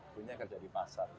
ibu nya kerja di pasar